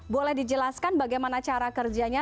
boleh dijelaskan bagaimana cara kerjanya